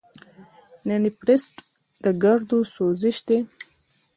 د نیفریټس د ګردو سوزش دی.